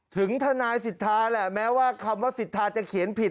ถึงทนายสิทธาแหละแม้ว่าคำว่าสิทธาจะเขียนผิด